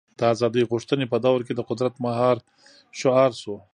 د ازادۍ غوښتنې په دور کې د قدرت مهار شعار شو.